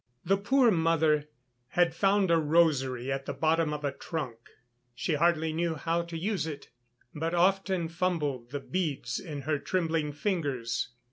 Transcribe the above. The poor mother had found a rosary at the bottom of a trunk; she hardly knew how to use it, but often fumbled the beads in her trembling fingers.